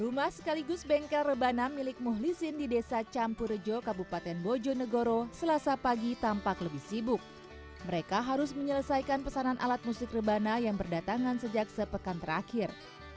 rumah sekaligus bengkel rebana milik muhlisin di desa campurjo kabupaten bojonegoro selasa pagi tampak lebih sibuk mereka harus menyelesaikan pesanan alat musik rebana yang berdatangan sejak sepekan terakhir